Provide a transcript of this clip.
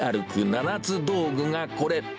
七つ道具がこれ。